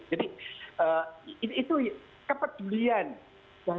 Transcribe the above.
jadi itu kepedulian daerah